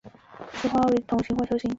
雌花花被筒形或球形。